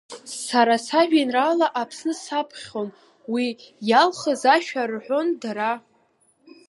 Сара сажәеинраала Аԥсны саԥхьон, уи иалхыз ашәа рҳәон дара.